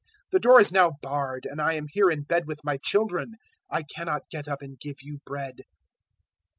The door is now barred, and I am here in bed with my children. I cannot get up and give you bread.'